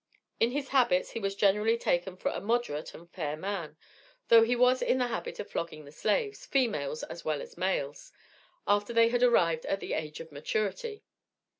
In his habits he was generally taken for a "moderate" and "fair" man, "though he was in the habit of flogging the slaves females as well as males," after they had arrived at the age of maturity.